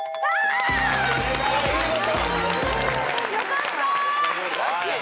よかった！